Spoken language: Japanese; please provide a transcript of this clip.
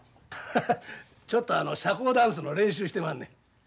ハハちょっとあの社交ダンスの練習してまんねん。